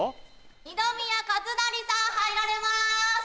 二宮和也さん入られます！